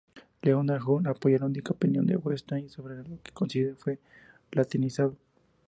Leonard Hug apoya la última opinión de Wettstein sobre que el códice fue latinizado.